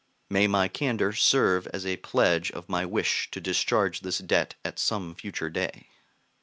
May my candor serve as a pledge of my wish to discharge this debt at some future day!